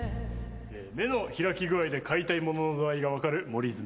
目の開き具合で買いたいものの度合いが分かる森泉。